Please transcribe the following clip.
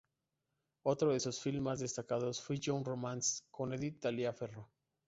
Otro de sus filmes más destacados fue "Young Romance", con Edith Taliaferro.